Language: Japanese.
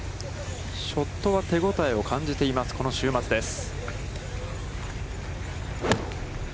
ショットは手応えを感じています、この週末です。